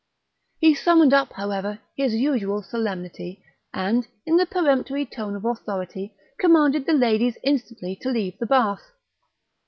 He summoned up, however, his usual solemnity, and, in the peremptory tone of authority, commanded the ladies instantly to leave the bath.